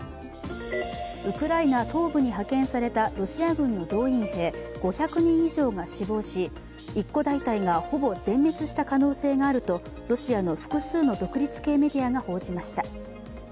ウクライナ東部に派遣されたロシア軍の動員兵、５００人以上が死亡し一個大隊がほぼ全滅した可能性があるとロシアの複数の独立系メディアが報じました。